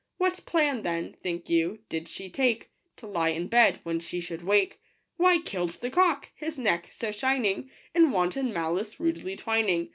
What plan, then, think you, did she take To lie in bed when she should wake ? Why, kill'd the cock — his neck, so shining, In wanton malice rudely twining.